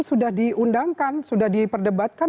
sudah diundangkan sudah diperdebatkan